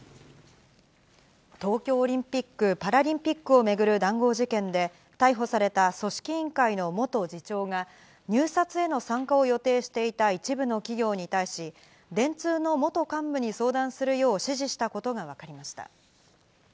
東京オリンピック・パラリンピックを巡る談合事件で、逮捕された組織委員会の元次長が、入札への参加を予定していた一部の企業に対し、電通の元幹部に相談するよう指示したことが分かりました。